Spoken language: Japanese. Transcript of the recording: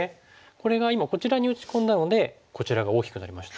これが今こちらに打ち込んだのでこちらが大きくなりました。